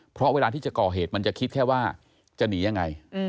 เพราะเวลาที่จะก่อเหตุมันจะคิดแค่ว่าจะหนียังไง